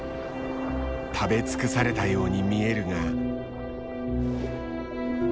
食べ尽くされたように見えるが。